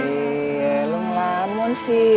iya lo ngelamun sih